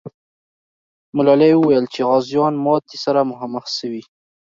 ملالۍ وویل چې غازیان ماتي سره مخامخ سوي.